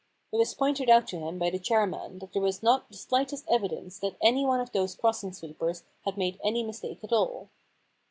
It was pointed out to him by the chairman that there was not the slightest evidence that any one of those crossing sweepers had made any mistake at all.